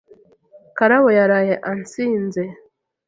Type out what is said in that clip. Karabo yaraye ansinze.